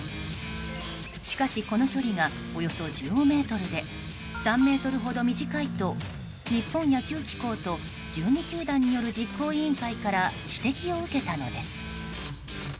しかし、この距離がおよそ１５ｍで３ｍほど短いと日本野球機構と１２球団による実行委員会から指摘を受けたのです。